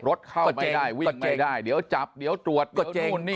รถเข้าไม่ได้วิ่งไม่ได้เดี๋ยวจับเดี๋ยวตรวจ